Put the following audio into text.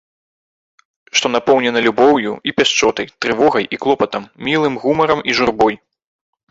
Што напоўнена любоўю і пяшчотай, трывогай і клопатам, мілым гумарам і журбой.